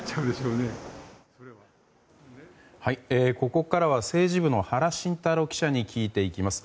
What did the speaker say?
ここからは政治部の原慎太郎記者に聞いていきます。